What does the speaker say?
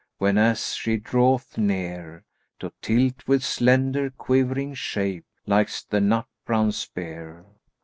whenas she draweth near * To tilt with slender quivering shape, likest the nut brown spear."